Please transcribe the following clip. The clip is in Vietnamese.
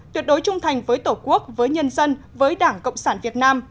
tuyệt đối trung thành với tổ quốc với nhân dân với đảng cộng sản việt nam